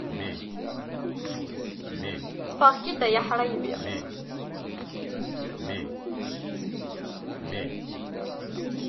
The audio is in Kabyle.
Ḍḍfeɣ-k-id a aḥṛaymi!